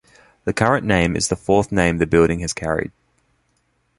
The current name is the fourth name the building has carried.